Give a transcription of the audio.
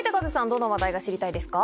どの話題が知りたいですか？